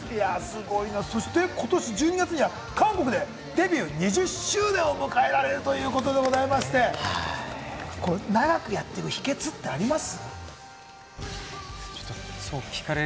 そして、ことし１２月には韓国でデビュー２０周年を迎えられるということでございまして、長くやっていく秘訣ってあります？